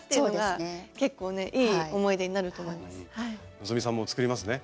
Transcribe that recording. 希さんも作りますね？